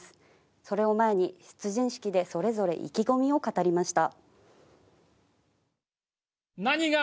それを前に出陣式でそれぞれ意気込みを語りました。